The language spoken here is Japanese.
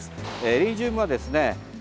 エリンジウムはですね